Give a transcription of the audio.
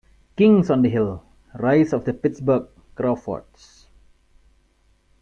"Kings on the Hill: Rise of the Pittsburgh Crawfords".